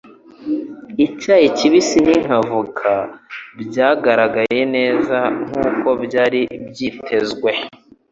Icyayi kibisi na avoka byagaragaye neza nkuko byari byitezwe.